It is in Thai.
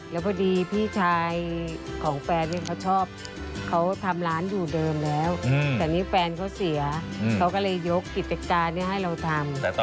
แล้วพอดีพี่ชายของแฟนเนี่ยเขาชอบเขาทำร้านอยู่เดิมแล้วแต่นี่แฟนเขาเสียเขาก็เลยยกกิจการนี้ให้เราทำ